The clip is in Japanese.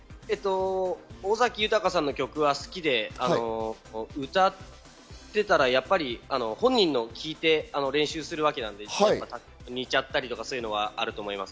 尾崎豊さんの曲は好きで、歌ってたらやっぱり本人のキーで練習するわけなので似ちゃったりとか、そういうのがあると思います。